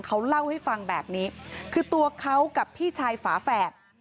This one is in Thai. เขาเล่าให้ฟังแบบนี้คือตัวเขากับพี่ชายฝาแฝด